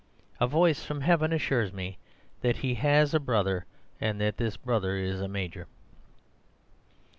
A voice from heaven assures me that he has a brother, and that this brother is a major.